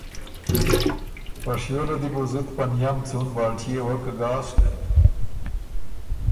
په شیو له دی بُو زُت په نئم څُون بالټيې وک ګاسک۔